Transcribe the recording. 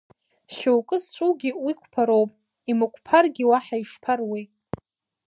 Шьоукы зҿугьы уа қәԥароуп, имықәԥаргьы уаҳа ишԥаруеи!